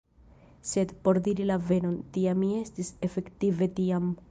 Sed, por diri la veron, tia mi estis efektive tiam!